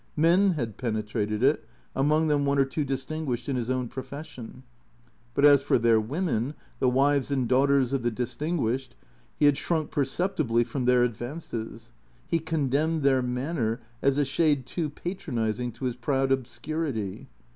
Men had penetrated it, among them one or two distinguished in his own profession. But as for their women, the wives and daughters of the distinguished, he had shrunk perceptibly from their advances. He condemned their manner as a shade too patronizing to his proud obscurity.